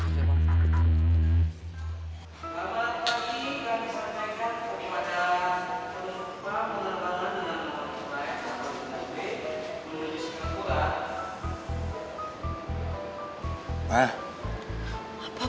terus pak menerbangkan dengan nama nama yang sama dengan b